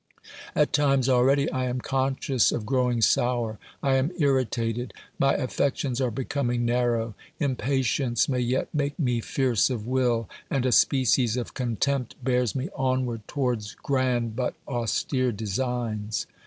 At times already I am conscious of growing sour, I am irritated, my affections are becoming narrow ; impatience may yet make me fierce of will, and a species of contempt bears me onward towards grand but austere designs.